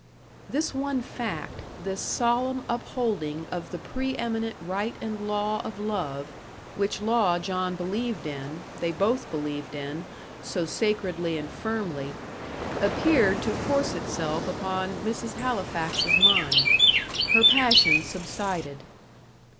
This one fact this solemn upholding of the pre eminent right and law of love, which law John believed in, they both believed in, so sacredly and firmly appeared to force itself upon Mrs. Halifax's mind. Her passion subsided.